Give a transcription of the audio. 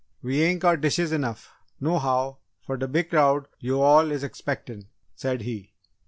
"We ain't got dishes enough, nohow, fer de big crowd yo' all is expectin'," said he.